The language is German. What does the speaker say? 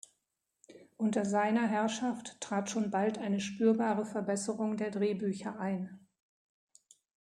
Unter seiner Herrschaft trat schon bald eine spürbare Verbesserung der Drehbücher ein.